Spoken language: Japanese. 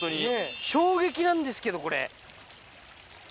衝撃なんですけどこれ！